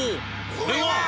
これは！